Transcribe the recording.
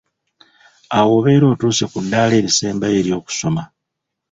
Awo obeera otuuse ku ddaala erisembayo ery’okusoma